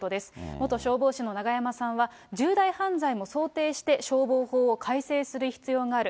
元消防士の永山さんは、重大犯罪も想定して、消防法を改正する必要がある。